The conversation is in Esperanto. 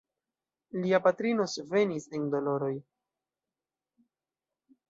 Lia patrino svenis en doloroj.